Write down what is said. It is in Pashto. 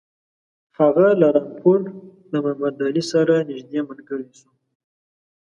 هغه له رامپور له محمدعلي سره نیژدې ملګری شو.